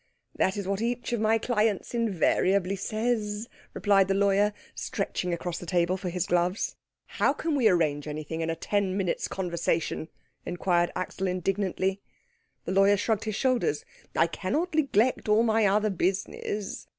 "That is what each of my clients invariably says," replied the lawyer, stretching across the table for his gloves. "How can we arrange anything in a ten minutes' conversation?" inquired Axel indignantly. The lawyer shrugged his shoulders. "I cannot neglect all my other business."